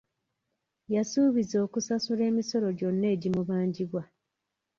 Yasuubiza okusasula emisolo gyonna egimubanjibwa.